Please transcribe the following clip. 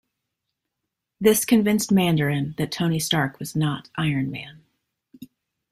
This convinced Mandarin that Tony Stark was not Iron Man.